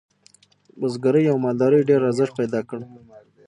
بزګرۍ او مالدارۍ ډیر ارزښت پیدا کړ.